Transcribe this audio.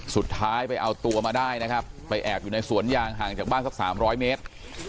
สุดท้ายไปเอาตัวมาได้นะครับไปแอบอยู่ในสวนยางห่างจากบ้านสัก๓๐๐เมตร